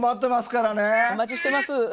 お待ちしてます。